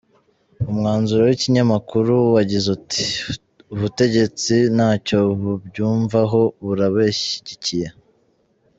Umwanzuro w’ikinyamakuru wagize uti : “Ubutegetsi ntacyo bubyumvaho burabashyigikiye.